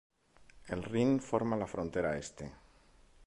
El Rin forma la frontera este.